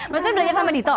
maksudnya belajar sama dito